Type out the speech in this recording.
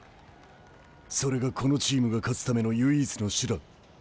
それがこのチームが勝つための唯一の手段。